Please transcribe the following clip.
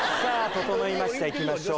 整いましたいきましょう